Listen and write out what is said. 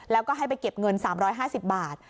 แล้วก็ให้ไปเก็บเงิน๓๕๐บาท